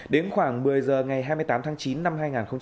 đến khoảng một mươi h ngày hai mươi tám tháng chín năm hai nghìn một mươi chín